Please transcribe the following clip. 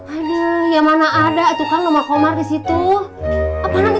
aduh ya mana ada itu kamu nomor komar di situ apa nanti hpnya sih